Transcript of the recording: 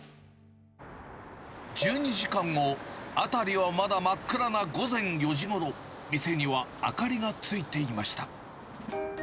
１２時間後、辺りはまだ真っ暗な午前４時ごろ、店には明かりがついていました。